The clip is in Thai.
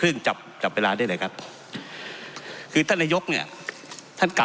เพราะมันก็มีเท่านี้นะเพราะมันก็มีเท่านี้นะ